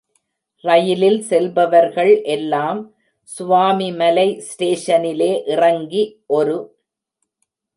ரயிலில் செல்பவர்கள் எல்லாம் சுவாமிமலை ஸ்டேஷனிலே இறங்கி ஒரு.